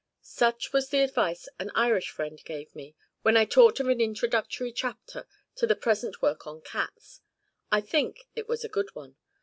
Such was the advice an Irish friend gave me, when I talked of an introductory chapter to the present work on cats. I think it was a good one.